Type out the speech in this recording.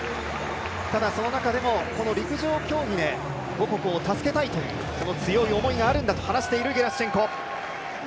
ただ、その中でも陸上競技で母国を助けたいという強い思いがあるんだと話しているゲラシュチェンコ。